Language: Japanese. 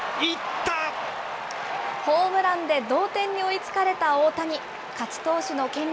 ホームランで同点に追いつかれた大谷。